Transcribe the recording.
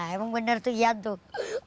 emang bener tuh ya tuh